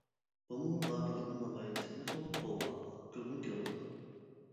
بۇمۇ غاپىللىقنىڭ نامايەندىسى ئەمەسمۇ. توۋا. كۈلگۈم كېلىۋاتىدۇ.